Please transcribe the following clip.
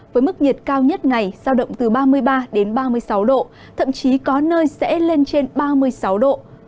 với mức nhiệt cao nhất ngày sao động từ ba mươi ba đến ba mươi sáu độ thậm chí có nơi sẽ lên trên ba mươi sáu độ